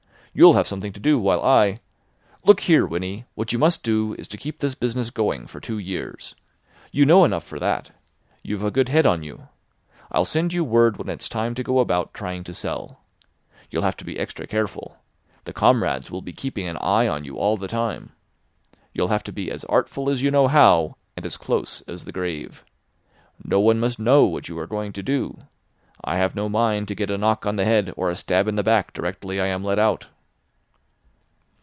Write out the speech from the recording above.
You'll have something to do, while I—Look here, Winnie, what you must do is to keep this business going for two years. You know enough for that. You've a good head on you. I'll send you word when it's time to go about trying to sell. You'll have to be extra careful. The comrades will be keeping an eye on you all the time. You'll have to be as artful as you know how, and as close as the grave. No one must know what you are going to do. I have no mind to get a knock on the head or a stab in the back directly I am let out."